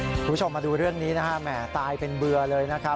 คุณผู้ชมมาดูเรื่องนี้นะฮะแหมตายเป็นเบื่อเลยนะครับ